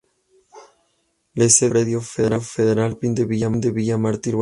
La sede fue el Predio Ferial Tecnópolis, en Villa Martelli, Buenos Aires.